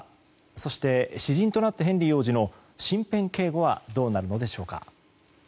そして、私人となったヘンリー王子の身辺警護はどうなるのでしょうか。